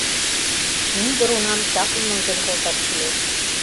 Мӱндыр унам чаплын ончен колташ кӱлеш.